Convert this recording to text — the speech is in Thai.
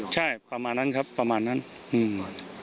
ใช่ประมาณนั้นครับประมาณนั้นอืม